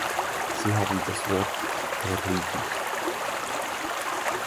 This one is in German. Sie haben das Wort, Herr Rübig.